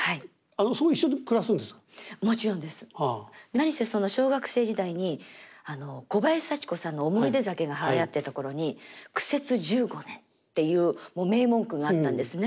何せ小学生時代に小林幸子さんの「おもいで酒」がはやってた頃に苦節１５年っていう名文句があったんですね。